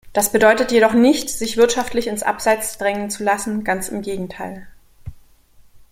Das bedeutet jedoch nicht, sich wirtschaftlich ins Abseits drängen zu lassen ganz im Gegenteil.